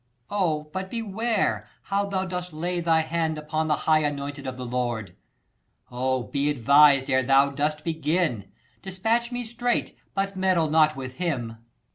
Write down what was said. Oh, but beware, how thou dost lay thy hand 250 Upon the high anointed of the Lord : Oh, be advised ere thou dost begin : Dispatch me straight, but meddle not with him.